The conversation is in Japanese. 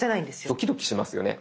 ドキドキしますよね。